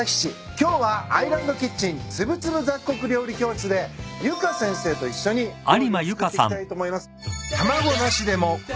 今日はアイランドキッチンつぶつぶ雑穀料理教室でゆか先生と一緒に料理を作っていきたいと思います。